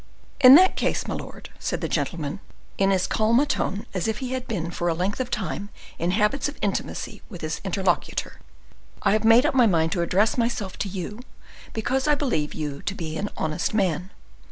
"In that case, my lord," said the gentleman, in as calm a tone as if he had been for a length of time in habits of intimacy with his interlocutor, "I have made up my mind to address myself to you, because I believe you to be an honest man.